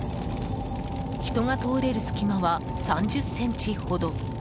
人が通れる隙間は３０ｃｍほど。